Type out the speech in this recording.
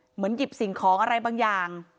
เหมือนหยิบสิ่งของอะไรบางอย่าง